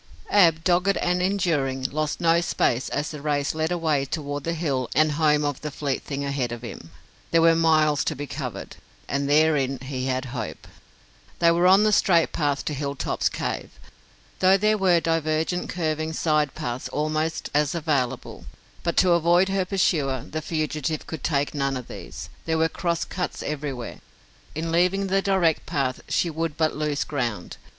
Ab, dogged and enduring, lost no space as the race led away toward the hill and home of the fleet thing ahead of him. There were miles to be covered, and therein he had hope. They were on the straight path to Hilltop's cave, though there were divergent, curving side paths almost as available; but to avoid her pursuer, the fugitive could take none of these. There were cross cuts everywhere. In leaving the direct path she would but lose ground.